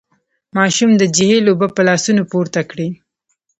ماشوم د جهيل اوبه په لاسونو پورته کړې.